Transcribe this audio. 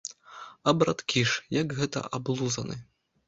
А браткі ж, як гэта аблузаны?